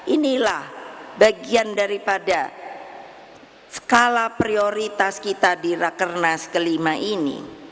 inilah bagian daripada skala prioritas kita di rakernas kelima ini